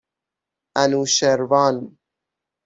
اَنوشروان